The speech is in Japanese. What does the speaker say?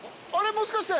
もしかして。